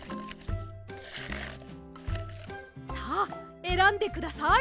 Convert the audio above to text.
さあえらんでください！